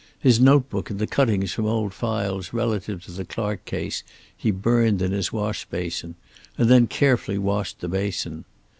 His notebook and the cuttings from old files relative to the Clark case he burned in his wash basin and then carefully washed the basin.